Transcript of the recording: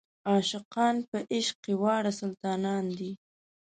عاشقان په عشق کې واړه سلطانان دي.